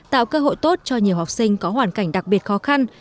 tạo cơ hội tốt cho nhiều học sinh có hoàn cảnh đặc biệt khó khăn